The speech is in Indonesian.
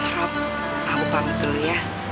rom aku pamit dulu ya